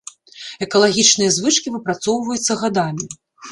Экалагічныя звычкі выпрацоўваюцца гадамі.